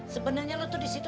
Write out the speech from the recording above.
sebenernya lu tuh disitu